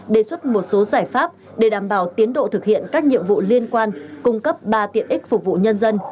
đề xuất một số giải pháp để đảm bảo tiến độ thực hiện các nhiệm vụ liên quan cung cấp ba tiện ích phục vụ nhân dân